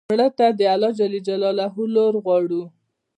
مړه ته د الله ج لور غواړو